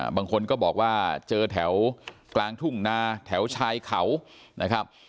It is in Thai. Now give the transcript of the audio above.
บางคนก็บอกว่าเจอแถวกลางทุ่งนาแถวชายเขานะครับ